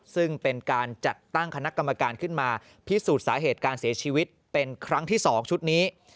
ซึ่งเป็นการจัดตั้งคณะกรรมการขึ้นมาพิสูจน์สาเหตุการเสียชีวิตเป็นครั้งที่๒ชุดนี้